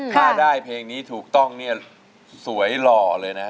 ถ้าได้เพลงนี้ถูกต้องเนี่ยสวยหล่อเลยนะ